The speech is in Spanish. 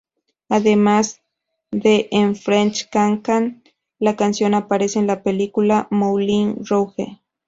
Además de en "French Cancan", la canción aparece en la película "Moulin Rouge!